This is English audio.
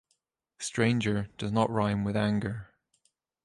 Stranger does not rime with anger